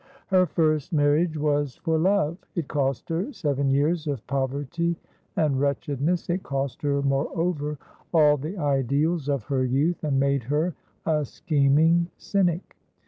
Her first marriage was for love. It cost her seven years of poverty and wretchedness; it cost her, moreover, all the ideals of her youth, and made her a scheming cynic.